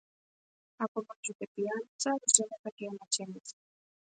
Ако мажот е пијаница, жената ќе е маченица.